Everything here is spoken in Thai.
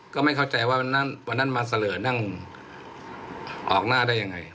ก็ไม่เข้าใจว่าวันนั้นมาเสลอนั่งออกหน้าได้ยังไง